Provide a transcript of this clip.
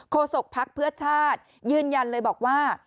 ศกภักดิ์เพื่อชาติยืนยันเลยบอกว่า